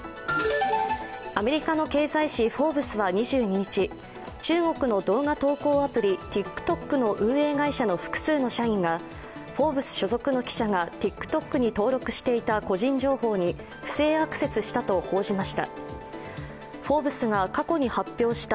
アメリカの経済誌「フォーブス」は２２日、中国の動画投稿アプリＴｉｋＴｏｋの運営会社の複数の社員が「フォーブス」所属の記者がＴｉｋＴｏｋに登録していた個人情報に不正アクセスしたと報じました。